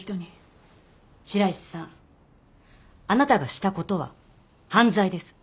白石さんあなたがしたことは犯罪です。